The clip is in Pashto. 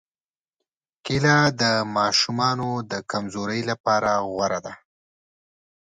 کېله د ماشو د کمزورۍ لپاره غوره ده.